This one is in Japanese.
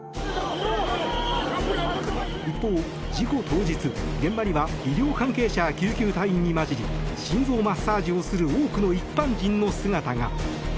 一方、事故当日現場には医療関係者や救急隊員に交じり心臓マッサージをする多くの一般人の姿が。